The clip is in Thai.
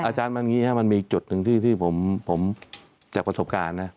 อาจารย์มันแบบนี้นี่มันมีอีกจุดหนึ่งที่ผมเจากับประสบการณ์